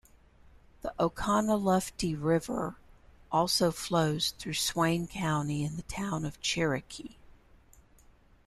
The Oconaluftee River also flows through Swain County in the town of Cherokee.